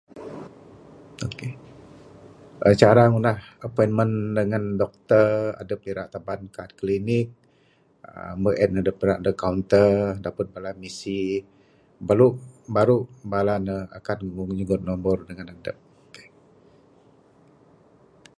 OK...[uhh] cara ngundah appointment dengan dokter edep irak teban kad klinik, uhh mbeh en doktor deg kaunter, tepud bala misi, baru, baru bala ne akan nyu-nyugon nombor deg edep.